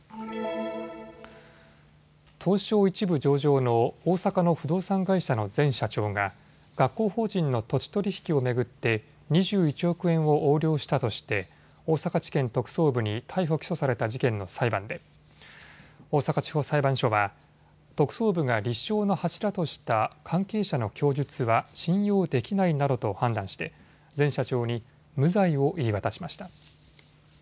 東証１部上場の大阪の不動産会社の前社長が学校法人の土地取引を巡って２１億円を横領したとして大阪地検特捜部に逮捕・起訴された事件の裁判で大阪地方裁判所は特捜部が立証の柱とした関係者の供述は信用できないなどと判断して前社長に無罪を言い渡しました。